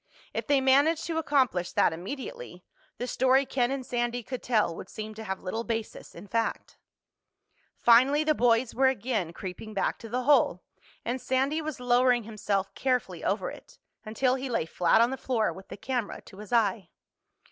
If they managed to accomplish that immediately, the story Ken and Sandy could tell would seem to have little basis in fact. Finally the boys were again creeping back to the hole and Sandy was lowering himself carefully over it, until he lay flat on the floor with the camera to his eye.